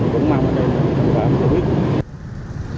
cũng mang lại đây là vi phạm